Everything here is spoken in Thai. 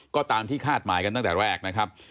ก็ตามที่คาดหมายกันตั้งแต่แรกนะครับ